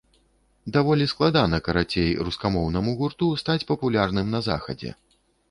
Даволі складана, карацей, рускамоўнаму гурту стаць папулярным на захадзе.